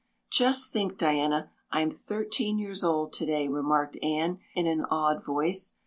"Just think, Diana, I'm thirteen years old today," remarked Anne in an awed voice.